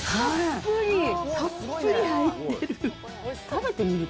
たっぷり入ってる。